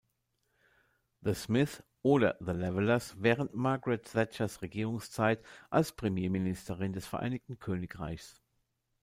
The Smiths oder The Levellers während Margaret Thatchers Regierungszeit als Premierministerin des Vereinigten Königreichs.